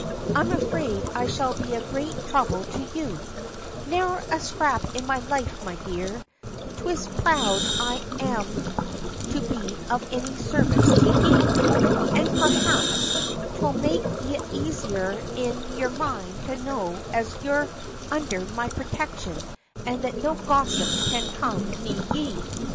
"I'm afraid I shall be a great trouble to you." "Ne'er a scrap in life, me dear. 'Tis proud I am to be of any sarvice to ye. An' perhaps 'twill make ye aisier in yer mind to know as your undher my protection, and that no gossip can come nigh ye."